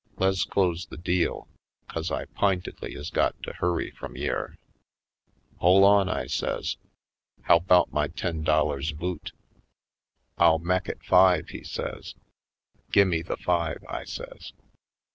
Le's close the deal 'cause I p'intedly is got to hurry frum yere." "Hole on!" I says. "How 'bout my ten dollars boot?" 86 /. Poindexterj Colored "I'll mek it five," he says. "Gimme the five," I says.